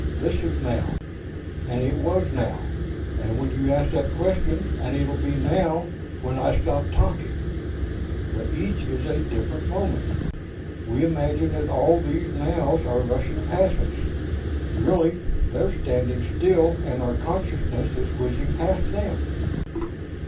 This is 'now,' and it was 'now' when you asked that question, and it'll be 'now' when I stop talking, but each is a different moment. We imagine that all those nows are rushing past us. Really, they're standing still, and our consciousness is whizzing past them."